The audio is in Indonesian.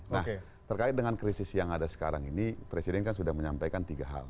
nah terkait dengan krisis yang ada sekarang ini presiden kan sudah menyampaikan tiga hal